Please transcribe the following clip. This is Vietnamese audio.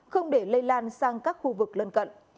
không để lây lan sang các khu vực lân cận